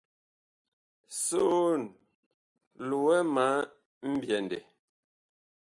Soon, lowɛ ma mbyɛndɛ.